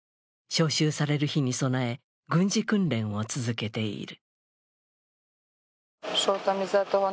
招集される日に備え軍事訓練を続けている。